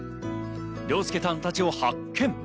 諒介さんたちを発見。